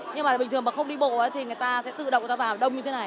nhưng mà bình thường mà không đi bộ thì người ta sẽ tự động ra vào đông như thế này